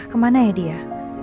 kemana ya dia